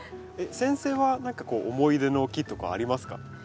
先生は何かこう思い出の木とかありますか？